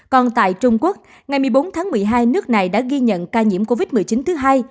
còn tại trung quốc ngày một mươi bốn tháng một mươi hai nước này đã ghi nhận ca nhiễm covid một mươi chín thứ hai